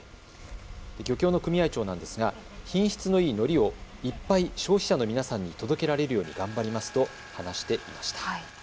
漁協の組合長、品質のいいのりを、いっぱい消費者の皆さんに届けられるように頑張りますと話していました。